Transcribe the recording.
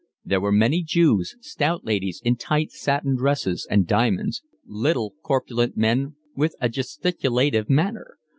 There were many Jews, stout ladies in tight satin dresses and diamonds, little corpulent men with a gesticulative manner.